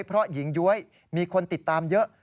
เพราะหญิงย้วยมีคนติดตามเยอะ